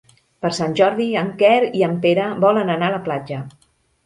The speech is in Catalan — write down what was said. Per Sant Jordi en Quer i en Pere volen anar a la platja.